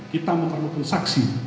kita memperlukan saksi